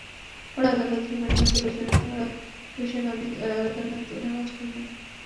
পরে আদালত রিমান্ড বাতিলের জন্য করা রিভিশন আবেদন নাকচ করে দেন।